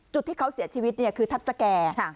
จุดที่เขาเสียชีวิตเนี่ยคือทัพสะแก่ค่ะ